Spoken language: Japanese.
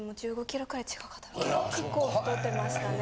結構太ってましたね。